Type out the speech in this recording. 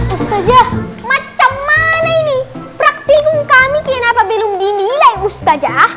ustadzah macem mana ini praktikum kami kira apa belum dinilai ustadzah